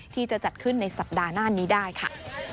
ที่จะจัดขึ้นในสัปดาห์หน้านี้ได้ค่ะ